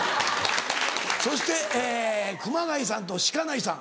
そして熊谷さんと鹿内さん。